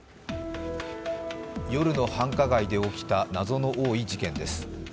夜の繁華街で起きた謎の多い事件です。